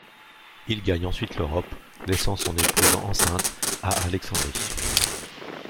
Il gagne ensuite l'Europe, laissant son épouse, enceinte, à Alexandrie.